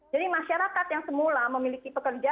jadi masyarakat yang semula memiliki pekerjaan